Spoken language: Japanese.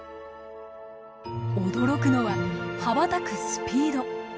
驚くのは羽ばたくスピード。